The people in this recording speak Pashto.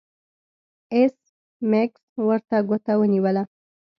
ایس میکس ورته ګوته ونیوله